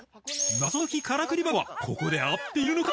謎解きからくり箱はここで合っているのか？